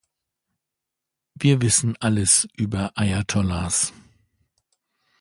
Wir wissen alles über Ayatollahs.